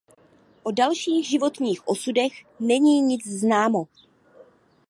O dalších životních osudech není nic známo.